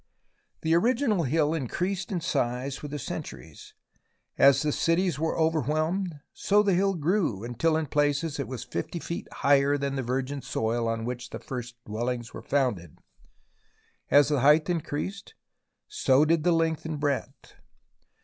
The original hill increased in size with the centuries. As the cities were overwhelmed, so the hill grew until in places it was 50 feet higher than the virgin soil on which the first dwellings were founded. As the height increased, so did the length and breadth.